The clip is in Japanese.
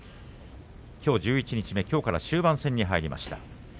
きょう十一日目、きょうから終盤戦に入りました。